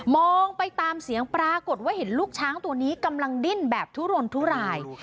องไปตามเสียงปรากฏว่าเห็นลูกช้างตัวนี้กำลังดิ้นแบบทุรนทุราย